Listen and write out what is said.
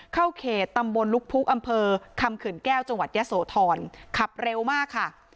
เข้าเขตตำบลลุกพุกอำเภอคำเขื่อนแก้วจังหวัดยะโสธรขับเร็วมากค่ะ